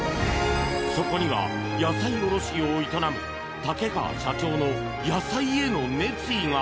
そこには野菜卸業を営む竹川社長の野菜への熱意が。